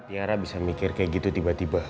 tiara bisa mikir kayak gitu tiba tiba